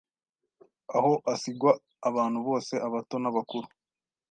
aho asigwa abantu bose abato n’abakuru.